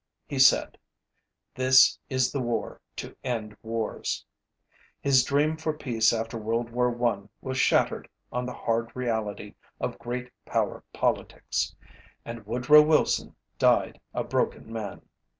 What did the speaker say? He said: ōThis is the war to end wars.ö His dream for peace after World War I was shattered on the hard reality of great power politics. And Woodrow Wilson died a broken man.